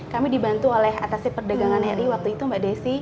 kami dibantu oleh atasnya perdagangan ri waktu itu mbak desi